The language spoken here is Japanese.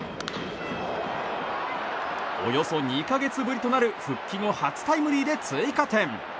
およそ２か月ぶりとなる復帰後初タイムリーで追加点。